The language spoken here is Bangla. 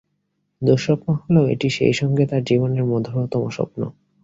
দুঃস্বপ্ন হলেও এটি সেইসঙ্গে তাঁর জীবনের মধুরতম স্বপ্ন।